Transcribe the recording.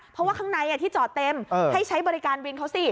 เพราะว่าข้างในที่จอดเต็มให้ใช้บริการวินเขาสิ